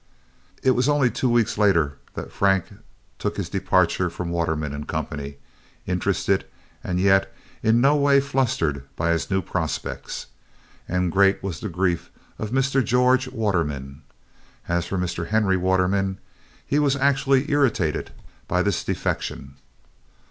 It was only two weeks later that Frank took his departure from Waterman & Company, interested and yet in no way flustered by his new prospects. And great was the grief of Mr. George Waterman. As for Mr. Henry Waterman, he was actually irritated by this defection.